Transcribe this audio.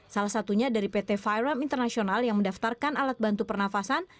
salah satunya dari pt firem international yang mendaftarkan alat bantu pernafasan